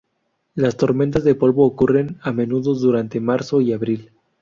Las tormentas de polvo ocurren a menudo durante marzo y abril.